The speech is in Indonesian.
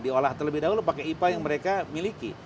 diolah terlebih dahulu pakai ipal yang mereka miliki